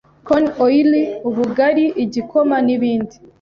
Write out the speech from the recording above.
corn oil, ubugali, igikoma n’ibindi